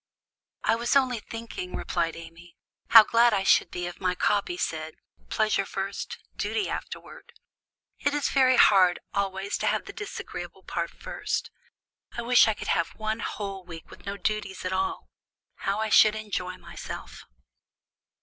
"I was only thinking," replied Amy, "how glad I should be if my copy said, 'Pleasure first duty afterward.' It is very hard always to have the disagreeable part first. I wish I could have one whole week with no duties at all! How I should enjoy myself!"